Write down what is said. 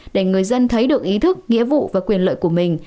để người dân thấy được ý thức nghĩa vụ và quyền lợi của mình